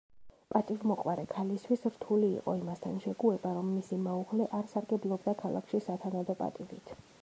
პატივმოყვარე ქალისთვის რთული იყო იმასთან შეგუება რომ მისი მეუღლე არ სარგებლობდა ქალაქში სათანადო პატივით.